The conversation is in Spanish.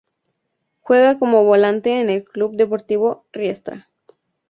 Juega como volante en el Club Deportivo Riestra.